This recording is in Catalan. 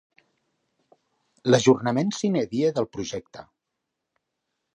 L'ajornament 'sine die' del projecte.